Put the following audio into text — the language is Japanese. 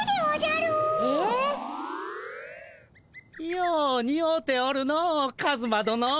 ようにおうておるのカズマどの。